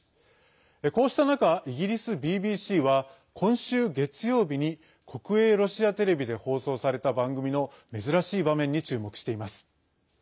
こうした中、イギリスＢＢＣは今週月曜日に国営ロシアテレビで放送された番組の珍しい場面に注目しています。